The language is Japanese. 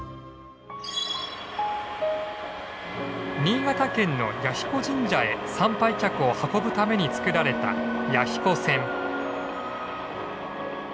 新潟県の彌彦神社へ参拝客を運ぶために作られた弥彦線。